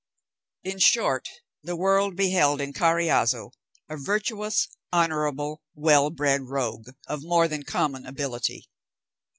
In short, the world beheld in Carriazo a virtuous, honourable, well bred, rogue, of more than common ability.